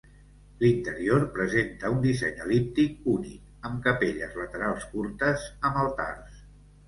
L'interior presenta un disseny el·líptic únic, amb capelles laterals curtes amb altars.